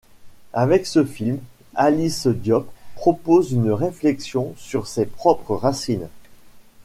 Avec ce film, Alice Diop propose une réflexion sur ses propres racines.